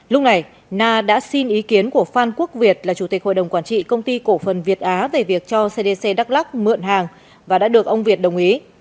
lúc này na đã xin ý kiến của phan quốc việt là chủ tịch hội đồng quản trị công ty cổ phần việt á về việc cho cdc đắk lắc mượn hàng và đã được ông việt đồng ý